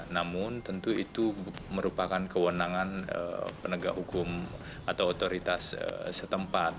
namun tentu itu merupakan kewenangan penegak hukum atau otoritas setempat